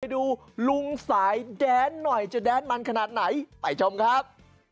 ดูลุงสายแดนหน่อยจะแดนมันขนาดไหนไปชมครับ